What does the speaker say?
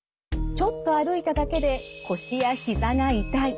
ちょっと歩いただけで腰やひざが痛い。